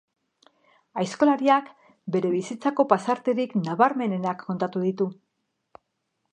Aizkolariak bere bizitzako pasarterik nabarmenenak kontatu ditu.